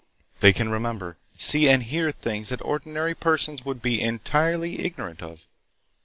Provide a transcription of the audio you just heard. They can remember, see and hear things that ordinary persons would be entirely ignorant of.